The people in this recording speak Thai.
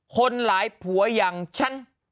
คนหลายผัวอย่างฉัน